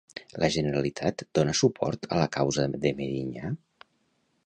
La Generalitat dona suport a la causa de Medinyà?